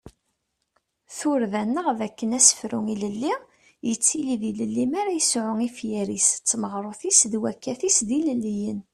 Turda-nneɣ d akken asefru ilelli yettili d ilelli mi ara ad yesɛu ifyar-is d tmaɣrut-is d wakat-is d ilelliyen.